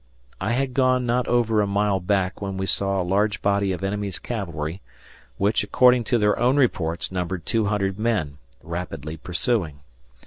I had gone not over a mile back when we saw a large body of enemy's cavalry, which, according to their own reports, numbered 200 men, rapidly pursuing.